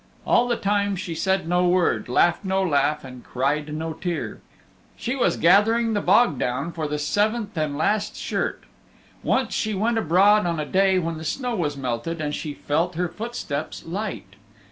And all the time she said no word, laughed no laugh and cried no tear. She was gathering the bog down for the seventh and last shirt. Once she went abroad on a day when the snow was melted and she felt her footsteps light.